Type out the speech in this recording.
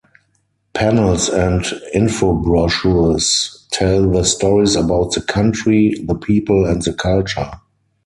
Panels and infobrochures tell the stories about the country, the people and the culture.